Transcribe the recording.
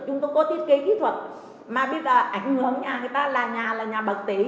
chúng tôi có thiết kế kỹ thuật mà bây giờ ảnh hưởng nhà người ta là nhà bậc tế